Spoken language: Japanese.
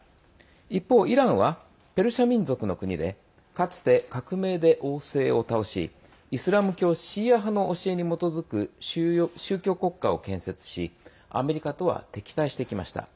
一方、イランはペルシャ民族の国でかつて革命で王制を倒しイスラム教シーア派の教えに基づく宗教国家を建設しアメリカとは敵対してきました。